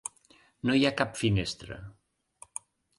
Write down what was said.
No hi ha cap finestra.